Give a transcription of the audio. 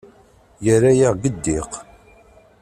Yerra-yaɣ di ddiq.